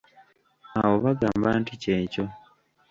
Awo bagamba nti kyekyo.